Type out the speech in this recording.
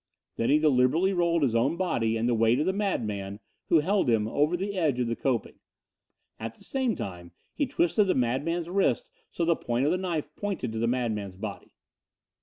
Then he deliberately rolled his own body and the weight of the madman, who held him, over the edge of the coping. At the same time he twisted the madman's wrist so the point of the knife pointed to the madman's body.